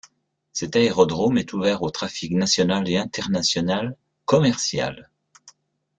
Cet aérodrome est ouvert au trafic national et international commercial.